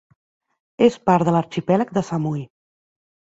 És part de l'arxipèlag de Samui.